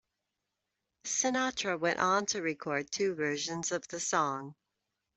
Sinatra went on to record two versions of the song.